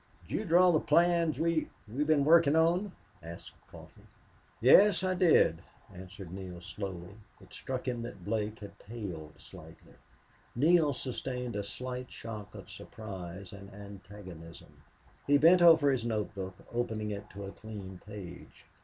Did YOU draw the plans we we've been working on?" asked Coffee. "Yes, I did," answered Neale, slowly. It struck him that Blake had paled slightly. Neale sustained a slight shock of surprise and antagonism. He bent over his note book, opening it to a clean page.